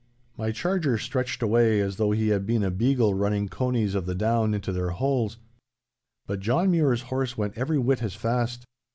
My charger stretched away as though he had been a beagle running conies of the down into their holes. But John Mure's horse went every whit as fast.